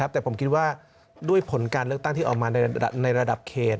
แต่ผมคิดว่าด้วยผลการเลือกตั้งที่ออกมาในระดับเขต